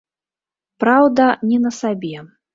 Праўда, не на сабе.